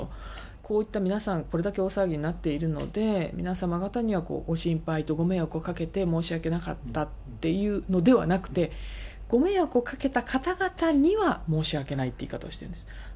こういった皆さん、これだけ大騒ぎになっているので、皆様方にはご心配とご迷惑をかけて申し訳なかったっていうのではなくて、ご迷惑をかけた方々には申し訳ないって言い方をしているんです。